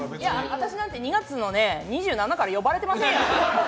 私なんて、２月の２７から呼ばれてませんよ。